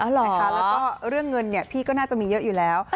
อ๋อเหรอแล้วก็เรื่องเงินเนี่ยพี่ก็น่าจะมีเยอะอยู่แล้ว